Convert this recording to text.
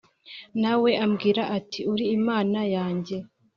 na we ambwire ati «Uri Imana yanjye!»